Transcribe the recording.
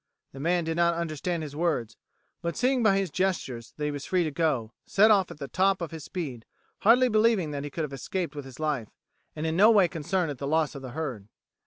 The man did not understand his words, but, seeing by his gestures that he was free to go, set off at the top of his speed, hardly believing that he could have escaped with his life, and in no way concerned at the loss of the herd.